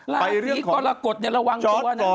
ลาดนี้ก็ละกดเนี่ยระวังตัวนั้น